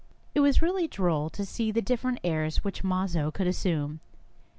It was really droll to see the different airs which Mazo could assume.